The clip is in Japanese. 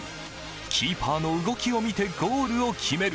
キーパーの動きを見てゴールを決める。